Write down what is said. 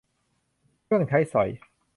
เครื่องใช้สอย